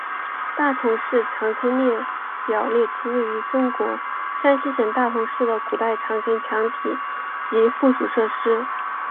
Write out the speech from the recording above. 大同市长城列表列出位于中国山西省大同市的古代长城墙体及附属设施。